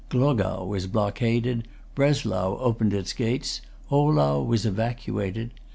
Glogau was blockaded; Breslau opened its gates; Ohlau was evacuated.